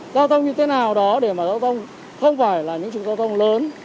giao thông như thế nào đó để mà giao thông không phải là những trục giao thông lớn